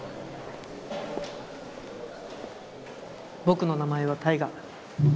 僕の名前は大我。